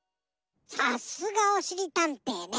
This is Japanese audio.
さすがおしりたんていね。